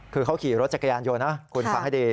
คือเขาขี่รถจักรยานยนต์นะคุณฟังให้ดี